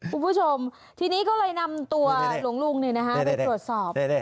คุณผู้ชมทีนี้ก็เลยนำตัวหลวงลุงไปตรวจสอบ